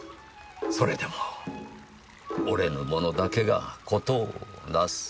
それでも折れぬ者だけが事をなす。